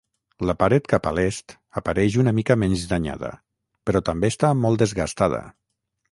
La paret cap a l'est apareix una mica menys danyada, però també està molt desgastada.